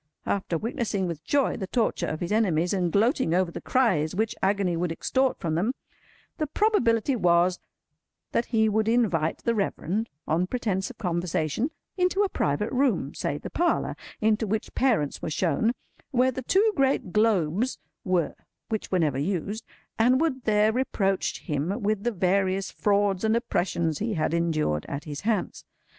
After witnessing with joy the torture of his enemies, and gloating over the cries which agony would extort from them, the probability was that he would invite the Reverend, on pretence of conversation, into a private room—say the parlour into which Parents were shown, where the two great globes were which were never used—and would there reproach him with the various frauds and oppressions he had endured at his hands.